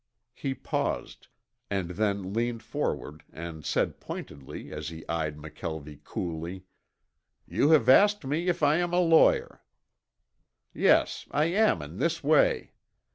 He paused, and then leaned forward and said pointedly as he eyed McKelvie coolly, "You have asked me if I'm a lawyer. Yes, I am in this way.